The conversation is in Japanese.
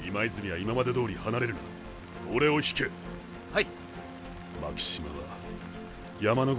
はい。